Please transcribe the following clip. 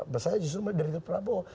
bahasanya justru the real prabowo